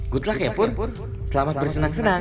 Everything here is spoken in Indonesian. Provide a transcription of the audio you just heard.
good luck ya pur selamat bersenang senang